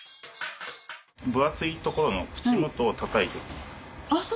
分厚い所の口元をたたいていきます。